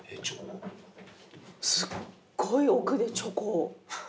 すっごい奥でチョコ。